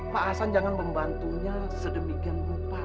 pak hasan jangan membantunya sedemikian rupa